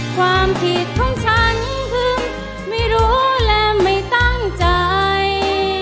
ความผิดของฉันคือไม่รู้และไม่ตั้งใจ